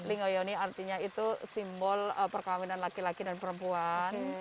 lingoyoni artinya itu simbol perkawinan laki laki dan perempuan